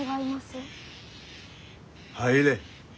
入れ。